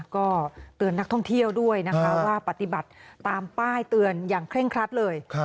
ก็เตือนนักท่องเที่ยวด้วยนะคะว่าปฏิบัติตามป้ายเตือนอย่างเคร่งครัดเลย